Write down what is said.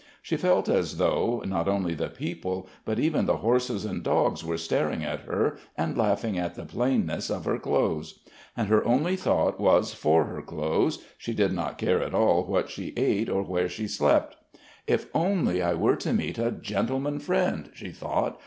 She felt as though, not only the people, but even the horses and dogs were staring at her and laughing at the plainness of her clothes. And her only thought was for her clothes; she did not care at all what she ate or where she slept. "If only I were to meet a gentleman friend...." she thought.